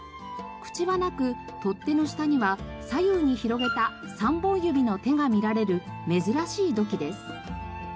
口はなく把手の下には左右に広げた３本指の手が見られる珍しい土器です。